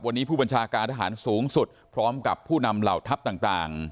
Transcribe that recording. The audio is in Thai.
วันนี้ผู้บัญชาการทหารสูงสุดพร้อมกับผู้นำเหล่าทัพต่าง